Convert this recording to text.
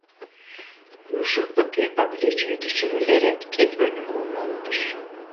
Uyuşukluk yapabileceği düşünülerek tedbirli olunmalıdır.